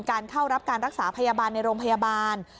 เข้ารับการรักษาพยาบาลในโรงพยาบาล